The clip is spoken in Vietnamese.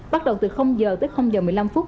bắt đầu từ giờ tới giờ một mươi năm phút